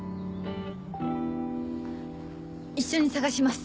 一緒に捜します。